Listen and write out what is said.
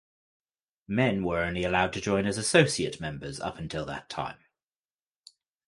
Men were only allowed to join as associate members up until that time.